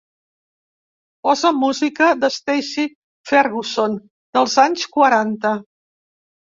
Posa música de Stacy Ferguson dels anys quaranta.